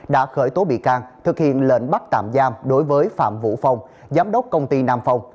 đã khởi tố bị can thực hiện lệnh bắt tạm giam đối với phạm vũ phong giám đốc công ty nam phong